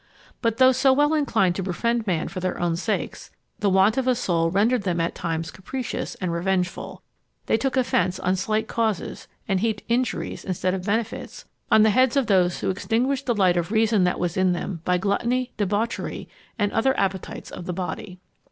But though so well inclined to befriend man for their own sakes, the want of a soul rendered them at times capricious and revengeful; they took offence on slight causes, and heaped injuries instead of benefits on the heads of those who extinguished the light of reason that was in them by gluttony, debauchery, and other appetites of the body.